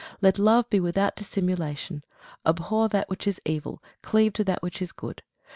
Let love be without dissimulation. Abhor that which is evil; cleave to that which is good.